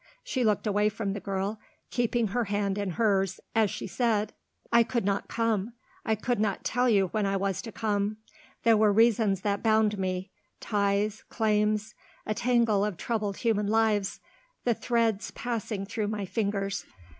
She looked away from the girl, keeping her hand in hers, as she said: "I could not come. I could not tell you when I was to come. There were reasons that bound me; ties; claims; a tangle of troubled human lives the threads passing through my fingers.